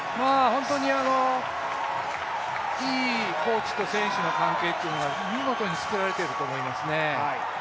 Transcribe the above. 本当にいいコーチと選手の関係というのが見事に作られていると思いますね。